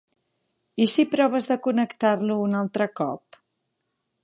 I si proves de connectar-lo un altre cop?